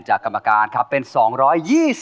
จ้าวรอคอย